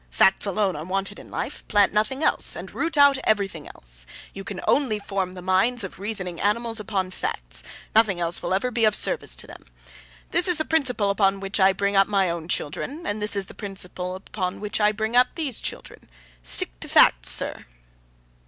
Facts alone are wanted in life. Plant nothing else, and root out everything else. You can only form the minds of reasoning animals upon Facts: nothing else will ever be of any service to them. This is the principle on which I bring up my own children, and this is the principle on which I bring up these children. Stick to Facts, sir!